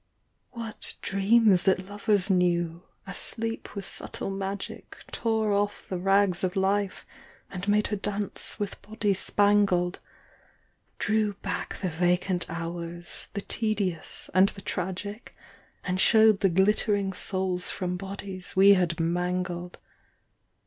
What dreams that lovers knew, as sleep with subtle magic Tore off the rags of life and made her dance with body spangled ; Drew back the vacant hours, the tedious and the tragic, And showed the glittering souls from bodies we had mangled.